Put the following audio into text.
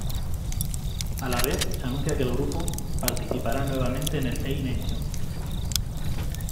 A la vez, se anuncia que el grupo, participará nuevamente en el a-nation.